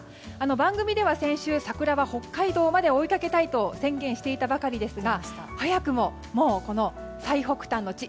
番組では先週、桜は北海道まで追いかけたいと宣言していたばかりですが早くも、最北端の地。